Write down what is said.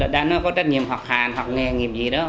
đã có trách nhiệm học hành học nghề nghiệp gì đó